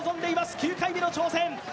９回目の挑戦。